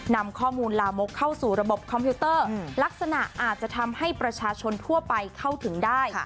นำข้อมูลลามกเข้าสู่ระบบคอมพิวเตอร์ลักษณะอาจจะทำให้ประชาชนทั่วไปเข้าถึงได้